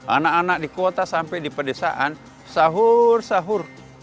anak anak di kota sampai di pedesaan sahur sahur